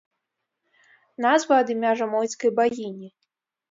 Назва ад імя жамойцкай багіні.